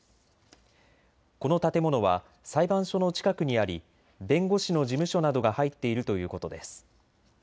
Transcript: この建物は裁判所の近くにあり弁護士の事務所などが入っているということです。